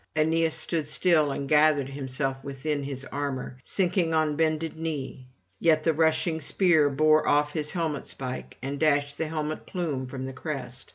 Aeneas stood still, and gathered himself behind his armour, sinking on bended knee; yet the rushing spear bore off his helmet spike, and dashed the helmet plume from the crest.